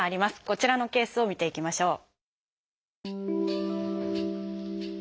こちらのケースを見ていきましょう。